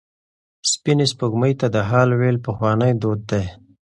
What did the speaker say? سپینې سپوږمۍ ته د حال ویل پخوانی دود دی.